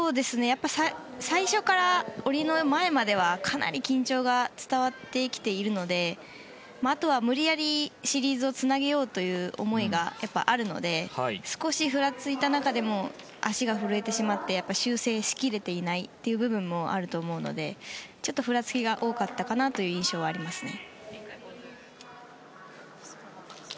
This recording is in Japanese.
最初から、下りの前まではかなり緊張が伝わってきているのであとは無理やり、シリーズをつなげようという思いがやっぱりあるので少しふらついた中でも足が震えてしまって修正しきれていない部分もあると思うのでちょっとふらつきが多かったかなという印象はありますね。